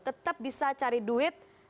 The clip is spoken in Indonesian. tetap bisa cari duit